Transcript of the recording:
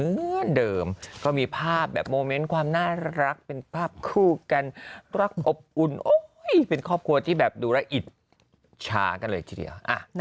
เหมือนเดิมก็มีภาพแบบโมเมนต์ความน่ารักเป็นภาพคู่กันรักอบอุ่นโอ้ยเป็นครอบครัวที่แบบดูแล้วอิจฉากันเลยทีเดียว